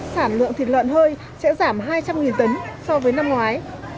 sản lượng thịt lợn hơi sẽ giảm hai trăm linh tấn so với năm ngoái